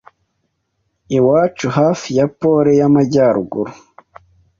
Iwacu hafi ya Pole y'Amajyaruguru